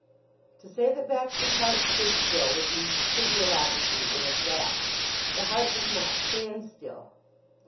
To say that Baxter's heart stood still would be physiologically inexact. The heart does not stand still.